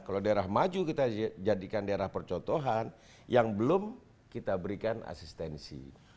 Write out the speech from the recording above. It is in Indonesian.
kalau daerah maju kita jadikan daerah percontohan yang belum kita berikan asistensi